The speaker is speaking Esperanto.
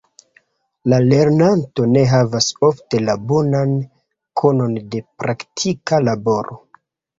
La lernanto ne havas ofte la bonan konon de praktika laboro.